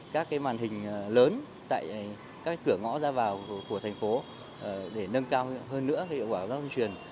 các màn hình lớn tại các cửa ngõ ra vào của thành phố để nâng cao hơn nữa hiệu quả giao lưu truyền